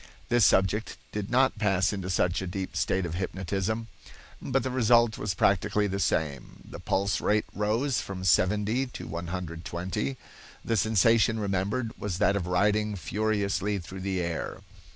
This subject did not pass into such a deep state of hypnotism, but the result was practically the same. The pulse rate rose from 70 to 120. The sensation remembered was that of riding furiously through the air.